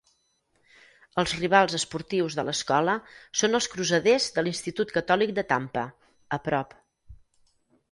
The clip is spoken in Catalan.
Els rivals esportius de l'escola són els Crusaders de l'Institut catòlic de Tampa, a prop.